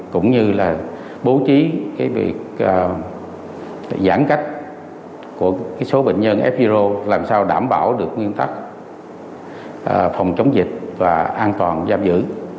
cũng như là bố trí việc giãn cách của số bệnh nhân firo làm sao đảm bảo được nguyên tắc phòng chống dịch và an toàn giam giữ